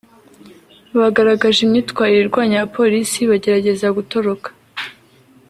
bagaragaje imyitwarire irwanya abapolisi bagerageza gutoroka